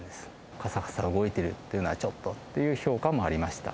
かさかさ動いているというのはちょっとという評価もありました。